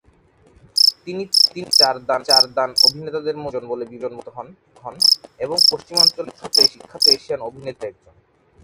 তিনি চীন এর চার দান অভিনেতাদের মধ্যে একজন বলে বিবেচিত হন, এবং পশ্চিমাঞ্চলের সবচেয়ে বিখ্যাত এশিয়ান অভিনেত্রীদের মধ্যে একজন।